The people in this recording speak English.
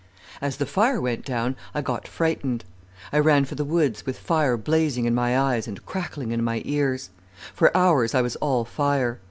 "As the fire went down I got frightened. I ran for the woods, with fire blazing in my eyes and crackling in my ears. For hours I was all fire.